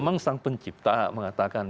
memang sang pencipta mengatakan